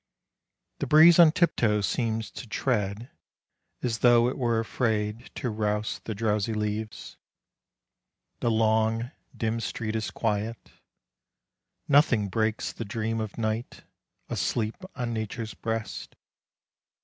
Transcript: The breeze on tiptoe seems to tread, as though It were afraid to rouse the drowsy leaves. The long, dim street is quiet. Nothing breaks The dream of Night, asleep on Nature's breast.